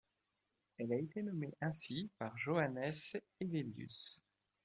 Elle a été nommée ainsi par Johannes Hevelius.